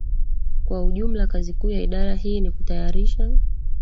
kwa ujumla Kazi kuu ya Idara hii ni kutayarisha